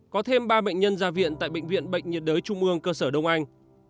có thêm ba bệnh nhân ra viện tại bệnh viện bệnh nhiệt đới trung ương cơ sở đông anh